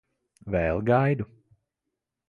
Vēl gaidu.